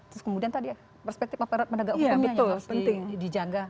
terus kemudian tadi perspektif aparat penegak hukumnya juga harus penting dijaga